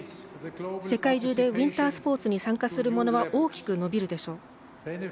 世界中でウインタースポーツに参加する者は大きく伸びるでしょう。